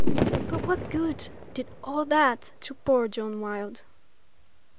But what good did all that to poor John Wilde?